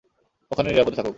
ওখানে নিরাপদে থাকুক।